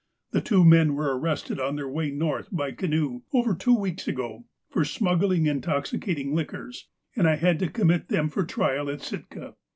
The two men were arrested on their way North by canoe, over two weeks ago, for smuggling intoxicating liquors, and I had to commit them for trial at Sitka.